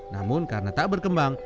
namun karena tak berkembang